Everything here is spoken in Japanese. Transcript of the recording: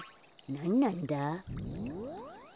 なんなんだ？